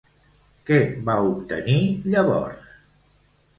Què va obtenir llavors?